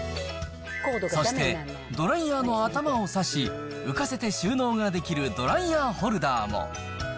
そして、ドライヤーの頭を差し、浮かせて収納ができるドライヤーホルダーも。